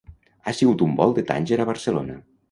Ha sigut un vol de Tanger a Barcelona.